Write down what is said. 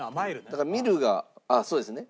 だから「ミル」がそうですね。